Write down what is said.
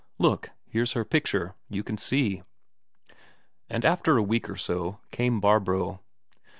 "Look, here's her picture; you can see." And after a week or so, came Barbro.